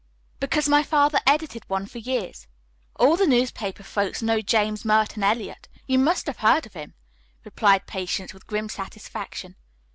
"Because my father edited one for years. All the newspaper folks know James Merton Eliot. You must have heard of him," replied Patience with grim satisfaction.